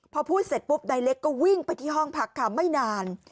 พอพูดเสร็จปุ๊บนายเล็กก็วิ่งไปที่ห้องพักค่ะไม่นาน